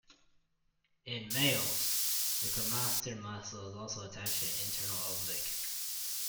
In males, the cremaster muscle is also attached to the internal oblique.